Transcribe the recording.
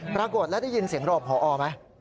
ปรากฏแล้วได้ยินเสียงรอพอไหม